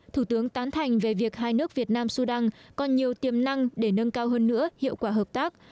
thủ tướng tán thành về việc hai nước việt nam sudan còn nhiều tiềm năng để nâng cao hơn nữa hiệu quả hợp tác